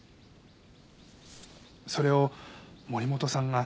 それを森本さんが。